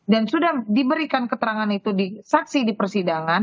dan sudah diberikan keterangan itu di saksi di persidangan